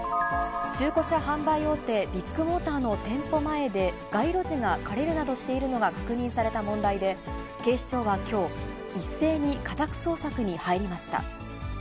中古車販売大手、ビッグモーターの店舗前で街路樹が枯れるなどしているのが確認された問題で、警視庁はきょう、一斉に家宅捜索に入りました。